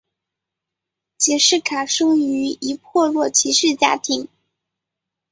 杰式卡生于一破落骑士家庭。